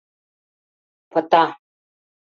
Пыта.